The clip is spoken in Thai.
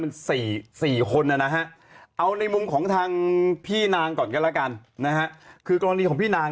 มัน๔คนนะฮะเอาในมุมของทางพี่นางก่อนกันแล้วกันนะฮะคือกรณีของพี่นาง